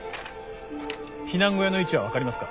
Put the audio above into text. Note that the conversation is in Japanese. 避難小屋の位置は分かりますか？